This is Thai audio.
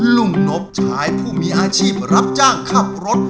นบชายผู้มีอาชีพรับจ้างขับรถ